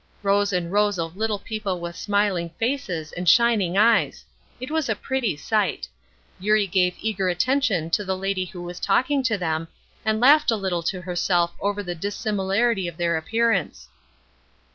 Rows and rows of little people with smiling faces and shining eyes! It was a pretty sight. Eurie gave eager attention to the lady who was talking to them, and laughed a little to herself over the dissimilarity of their appearance.